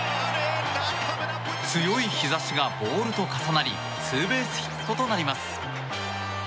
強い日差しがボールと重なりツーベースヒットとなります。